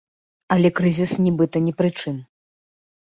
Але крызіс нібыта ні пры чым.